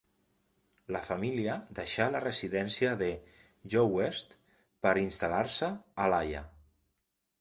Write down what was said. La família deixà la residència de Ljouwert per instal·lar-se a La Haia.